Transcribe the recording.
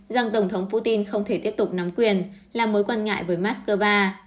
rằng tổng thống putin không thể tiếp tục nắm quyền là mối quan ngại với moscow